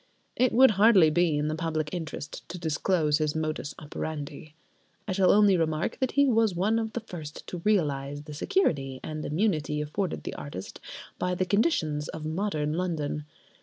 It would hardly be in the public interest to disclose his modus operandi. I shall only remark that he was one of the first to realise the security and immunity afforded the artist by the conditions of modern London.